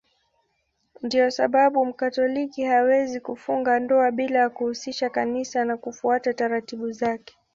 Ndiyo sababu Mkatoliki hawezi kufunga ndoa bila ya kuhusisha Kanisa na kufuata taratibu zake.